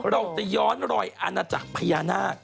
เราจะย้อนรอยอาณาจักรพญานาค